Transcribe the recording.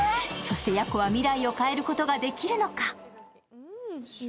そして、ヤコは未来を変えることができるのか？